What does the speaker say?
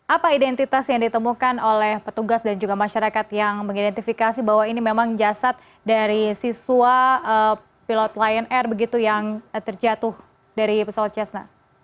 apa identitas yang ditemukan oleh petugas dan juga masyarakat yang mengidentifikasi bahwa ini memang jasad dari siswa pilot lion air begitu yang terjatuh dari pesawat cessna